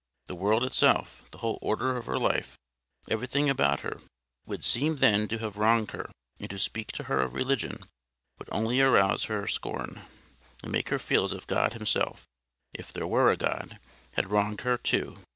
The world itself, the whole order of her life, everything about her, would seem then to have wronged her; and to speak to her of religion would only rouse her scorn, and make her feel as if God himself, if there were a God, had wronged her too.